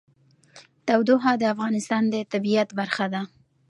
تودوخه د افغانستان د طبیعت برخه ده.